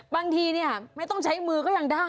บางทีไม่ต้องใช้มือก็ยังได้